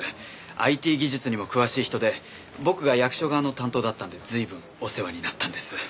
ＩＴ技術にも詳しい人で僕が役所側の担当だったので随分お世話になったんです。